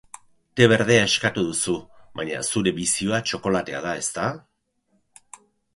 Te berdea eskatu duzu, baina zure bizioa txokolatea da, ezta?